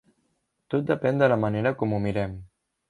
Tot depèn de la manera com ho mirem.